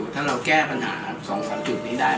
ถ้าเราแก้ปัญหา๒๓จุดนี้ได้